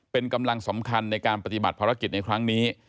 เป็นกำลังสำคัญในการปฏิบัติภารกิจในครั้งนี้